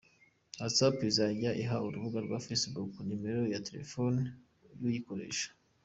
WhatsApp izajya iha urubuga rwa Facebook numero ya telefoni y’uyikoresha.